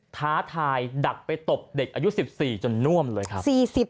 ท้าทายดักไปตบเด็กอายุ๑๔จนน่วมเลยครับ